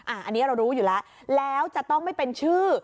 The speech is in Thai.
อันนี้เรารู้อยู่แล้วแล้วจะต้องไม่เป็นชื่อ